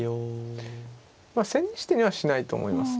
まあ千日手にはしないと思いますね。